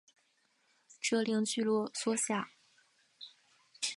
这令聚落缩小。